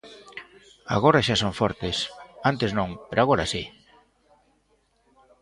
Agora xa son fortes; antes non, pero agora si.